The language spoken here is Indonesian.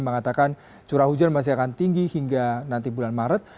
mengatakan curah hujan masih akan tinggi hingga nanti bulan maret